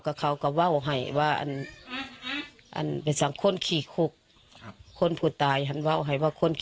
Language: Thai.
เขาก็ว่าวให้ว่าเป็นสังคมขี่คุกคนผู้ตายว่าคนขี่คุก